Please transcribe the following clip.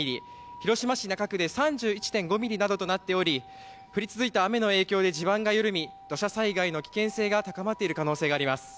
広島市中区で３１．５ミリなどとなっており降り続いた雨の影響で地盤が緩み土砂災害の危険性が高まっている可能性があります。